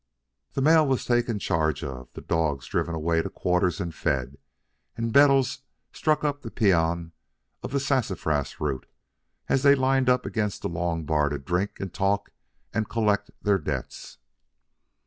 The mail was taken charge of, the dogs driven away to quarters and fed, and Bettles struck up the paean of the sassafras root as they lined up against the long bar to drink and talk and collect their debts.